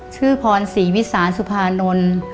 พรศรีวิสานสุภานนท์